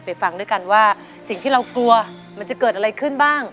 ฟังด้วยกันว่าสิ่งที่เรากลัวมันจะเกิดอะไรขึ้นบ้าง